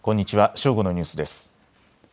正午のニュースです。